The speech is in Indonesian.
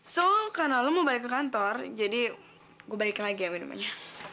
so karena lo mau balik ke kantor jadi gue balikin lagi ya minumannya